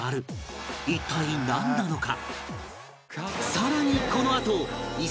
一体なんなのか？